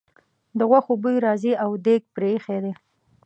د غوښو بوی راځي او دېګ پرې ایښی دی.